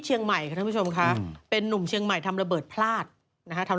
ซึ่งตอน๕โมง๔๕นะฮะทางหน่วยซิวได้มีการยุติการค้นหาที่